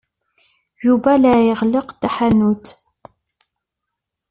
Yuba la iɣelleq taḥanut.